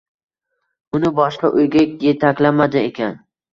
Uni boshqa uyga yetaklamadi ekan?